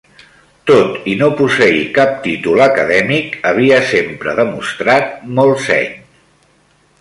Tot i no posseir cap títol acadèmic, havia sempre demostrat molt seny.